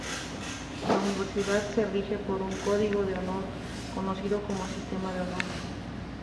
La universidad se rige por un código de honor, conocido como "Sistema de Honor".